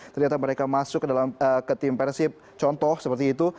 ternyata mereka masuk ke tim persib contoh seperti itu